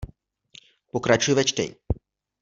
Pokračuj ve čtení.